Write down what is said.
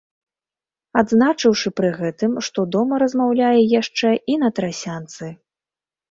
Адзначыўшы пры гэтым, што дома размаўляе яшчэ і на трасянцы.